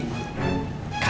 kami sudah berhenti menikah